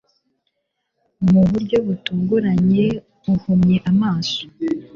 mu buryo butunguranye, uhumye amaso